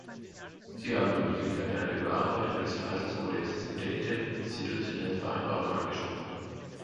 Sie haben die Möglichkeit einer Überarbeitung des Verhaltenskodexes in der Interinstitutionellen Vereinbarung angesprochen.